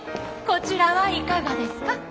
こちらはいかがですか？